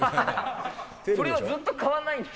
それはずっと買わないんです